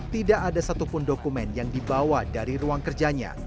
tidak ada satupun dokumen yang dibawa dari ruang kerjanya